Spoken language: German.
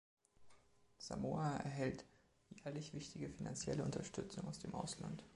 Samoa erhält jährlich wichtige finanzielle Unterstützung aus dem Ausland.